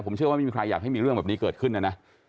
ผมเชื่อว่าไม่มีใครอยากให้มีเรื่องแบบนี้เกิดขึ้นนะนะ